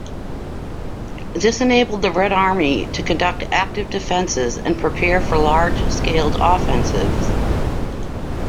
This enabled the Red Army to conduct active defenses and prepare for large-scaled offensives.